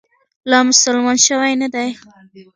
لا مسلمان شوی نه دی.